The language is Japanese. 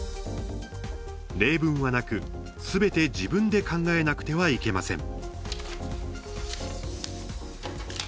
例文はなく、すべて自分で考えなくてはいけません。